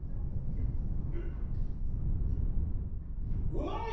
うまい！